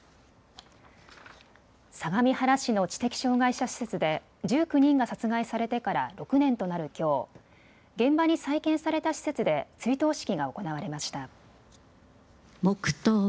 相模原市の知的障害者施設で１９人が殺害されてから６年となるきょう、現場に再建された施設で追悼式が行われました。